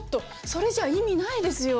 それじゃ意味ないですよ。